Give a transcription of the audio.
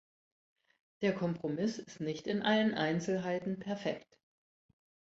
Der Kompromiss ist nicht in allen Einzelheiten perfekt.